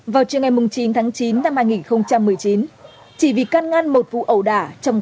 vào trưa ngày chín tháng chín năm hai nghìn một mươi chín chỉ vì căn ngăn một vụ ẩu đả